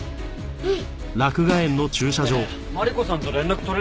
うん。